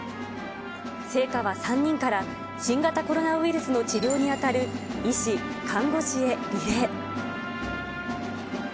聖火は３人から、新型コロナウイルスの治療に当たる医師、看護師へリレー。